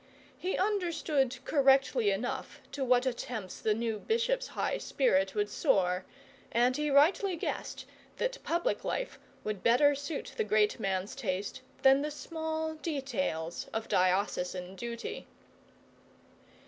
He understood correctly enough to what attempts the new bishop's high spirit would soar, and he rightly guessed that public life would better suit the great man's taste, than the small details of diocesan duty.